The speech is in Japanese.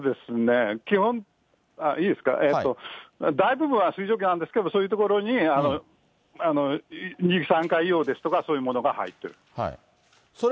大部分は水蒸気なんですけど、そういうところに、二酸化硫黄ですとか、そういうものが入ってる。